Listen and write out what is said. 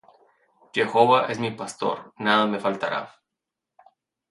Jehova es mi pastor; nada me faltará.